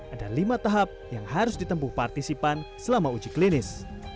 ada lima tahap yang harus ditempuh partisipan selama uji klinis